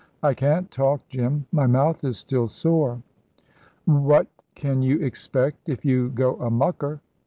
"I can't talk, Jim my mouth is still sore." "What can you expect if you go a mucker?